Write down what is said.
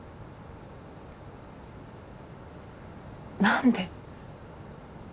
何で？